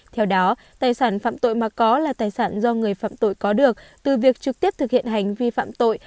theo đó tài sản phạm tội mà có là tài sản do người phạm tội có được từ việc trực tiếp thực hiện hành vi phạm tội